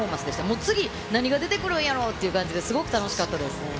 もう次、何が出てくるんやろっていう感じで、すごく楽しかったです。